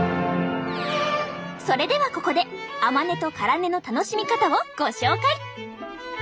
それではここで甘根と辛根の楽しみ方をご紹介。